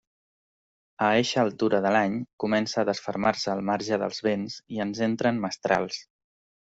A eixa altura de l'any comença a desfermar-se el marge dels vents i ens entren mestrals.